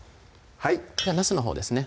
はいではなすのほうですね